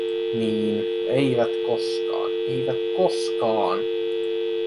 Niin, eivät koskaan, eivät koskaan.